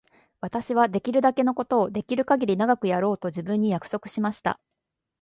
私はできるだけのことをできるかぎり長くやろうと自分に約束しました。